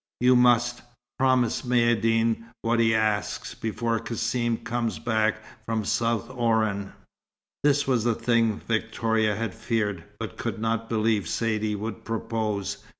"You must promise Maïeddine what he asks, before Cassim comes back from South Oran." This was the thing Victoria had feared, but could not believe Saidee would propose.